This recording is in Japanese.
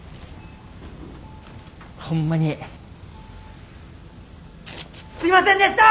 ほんまにすいませんでした！